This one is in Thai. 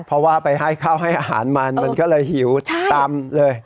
เพราะว่าไปให้ข้าวให้อาหารมันมันก็เลยหิวตามเลย